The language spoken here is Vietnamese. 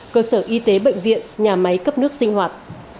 cơ sở y tế bệnh viện nhà máy cấp nước sinh hoạt